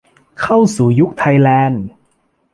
เข้าสู่ยุคไทยแลนด์